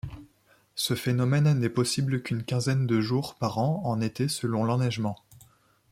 Ce phénomène n'est possible qu'une quinzaine de jours par an en été selon l'enneigement.